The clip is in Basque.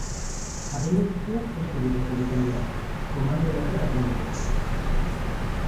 Agindu guztiak testu bidez egiten dira, komando-lerro baten bidez.